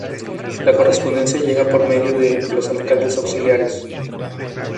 La correspondencia llega por medio de los alcaldes auxiliares.